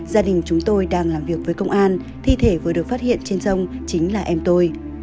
gia đình chúng tôi đang làm việc với công an thi thể vừa được phát hiện trên sông chính là em tôi